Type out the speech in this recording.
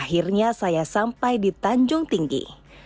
akhirnya saya sampai di tanjung tinggi